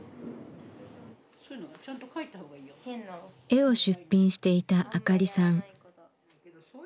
絵を出品していたあかりさん。